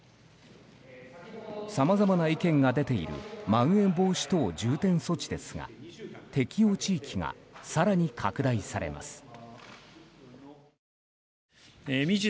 さまざまな意見が出ているまん延防止等重点措置ですが適用地域が更に拡大されます。